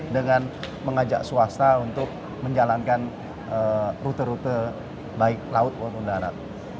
dengan mengajak swasta untuk menjalankan rute rute baik laut maupun darat